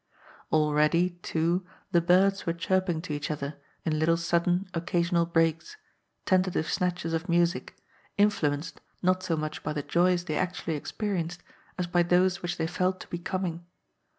Already, too, the birds were chirping to each other, in little sudden, occasional breaks, tentative snatches of music, influenced, not so much by the joys they actually experienced, as by those which they felt to be coming.